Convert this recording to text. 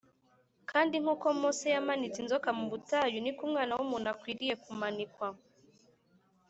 “Kandi nk’uko Mose yamanitse inzoka mu butayu, ni ko Umwana w’umuntu akwiriye kumanikwa